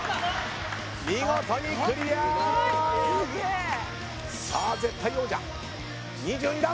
見事にクリア！さあ絶対王者２２段。